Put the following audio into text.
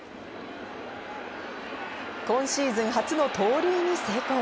今シーズン初の盗塁に成功。